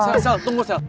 sel sel tunggu sel